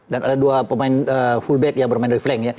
dan ada dua pemain fullback yang bermain dari flank